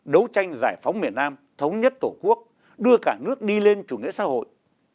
đấu tranh giải phóng miền nam thống nhất tổ quốc đưa cả nước đi lên chủ nghĩa xã hội